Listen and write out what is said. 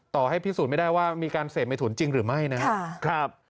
ต่อให้พิสูจน์ไม่ได้ว่ามีการเสพเมถุนจริงหรือไม่นะครับ